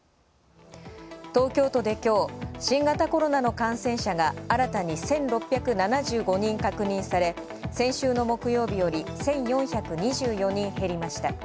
東京都で今日、新型コロナの感染者が新たに１６７５人確認され、先週の木曜日より１４２４人減りました。